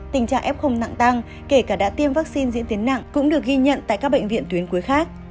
tình trạng f nặng tăng kể cả đã tiêm vaccine diễn tiến nặng cũng được ghi nhận tại các bệnh viện tuyến cuối khác